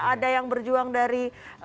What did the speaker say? ada yang berjuang dari